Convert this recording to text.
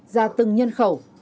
ra từng nhân khẩu